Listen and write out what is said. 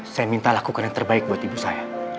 saya minta lakukan yang terbaik buat ibu saya